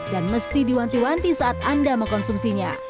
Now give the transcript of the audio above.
dan mesti diwanti wanti saat anda mengkonsumsinya